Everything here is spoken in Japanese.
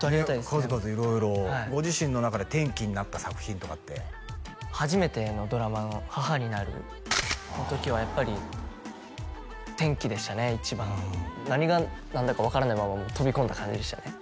数々色々ご自身の中で転機になった作品とかって初めてのドラマの「母になる」の時はやっぱり転機でしたね一番何が何だか分からないまま飛び込んだ感じでしたね